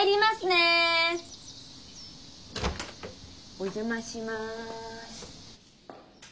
お邪魔しまーす。